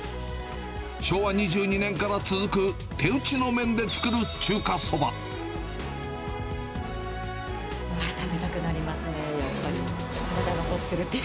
昭和２２年から続く、手打ちの麺食べたくなりますよね、やっぱり。